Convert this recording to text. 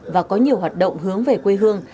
và có nhiều hoạt động hướng về quê hương